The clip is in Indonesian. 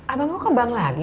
abang mau ke bank lagi